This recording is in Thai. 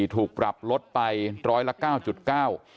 ถูกปรับลดไปร้อยละ๙๙